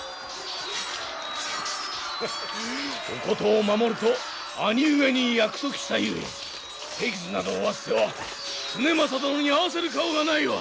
おことを守ると兄上に約束したゆえ手傷など負わせては経正殿に合わせる顔がないわ！